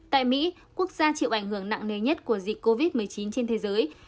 tại mỹ quốc gia chịu ảnh hưởng nặng nề nhất của dịch covid một mươi chín trên thế giới